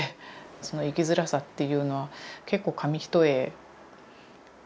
その生きづらさというのは結構紙一重で。